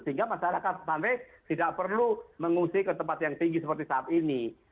sehingga masyarakat sampai tidak perlu mengungsi ke tempat yang tinggi seperti saat ini